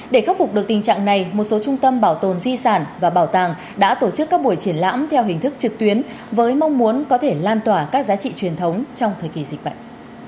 để khắc phục được tình trạng này một số trung tâm bảo tồn di sản và bảo tàng đã tổ chức các buổi triển lãm theo hình thức trực tuyến với mong muốn có thể lan tỏa các giá trị truyền thống trong thời kỳ dịch bệnh